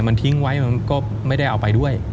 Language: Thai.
มันทิ้งไว้มันก็ไม่ได้เอาไปด้วย